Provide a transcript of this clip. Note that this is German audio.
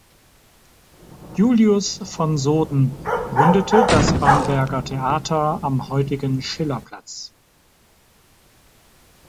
Julius von Soden gründete das Bamberger Theater am heutigen Schillerplatz.